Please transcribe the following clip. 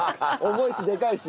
重いしでかいし。